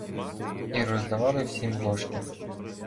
І роздавали всім ложки.